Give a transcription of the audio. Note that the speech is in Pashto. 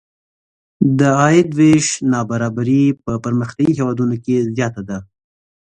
د عاید وېش نابرابري په پرمختیايي هېوادونو کې زیاته ده.